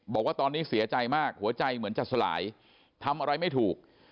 บอกว่าตอนนี้เสียใจมากหัวใจเหมือนจะสลายทำอะไรไม่ถูก